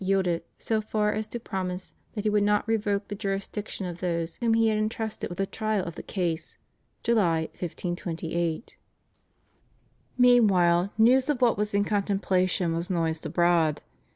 yielded so far as to promise that he would not revoke the jurisdiction of those whom he had entrusted with the trial of the case (July 1528). Meanwhile news of what was in contemplation was noised abroad.